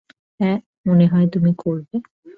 হ্যাঁ, মনে হয় তুমি করবে।